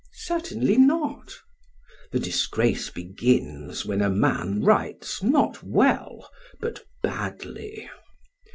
PHAEDRUS: Certainly not. SOCRATES: The disgrace begins when a man writes not well, but badly.